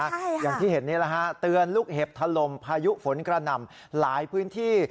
ใช่ค่ะอย่างที่เห็นนี่แหละฮะเตือนลูกเห็บถล่มพายุฝนกระหน่ำหลายพื้นที่